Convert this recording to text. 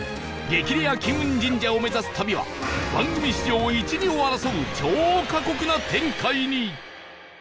激レア金運神社を目指す旅は番組史上一二を争う超過酷な展開に